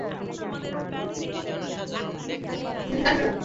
দামে কিছুটা সস্তা হওয়ায় প্রতিদিন হাজার হাজার নারী-পুরুষ ভিড় করছেন দোকানগুলোতে।